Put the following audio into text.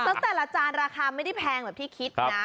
แล้วแต่ละจานราคาไม่ได้แพงแบบที่คิดนะ